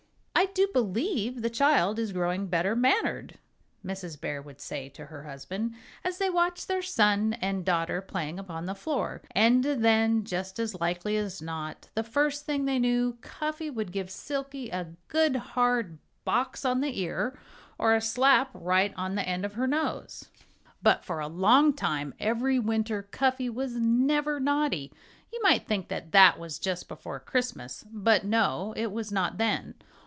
"I do believe the child is growing better mannered," Mrs. Bear would say to her husband, as they watched their son and daughter playing upon the floor. And then just as likely as not, the first thing they knew Cuffy would give Silkie a good, hard box on the ear, or a slap right on the end of her nose. But for a long time every winter Cuffy was never naughty. You might think that that was just before Christmas. But no it was not then.